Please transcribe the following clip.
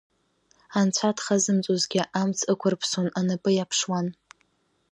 Анцәа дхазымҵозгьы, амаца ықәрыԥсон, анапы иаԥшуан.